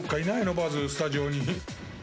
バズスタジオに。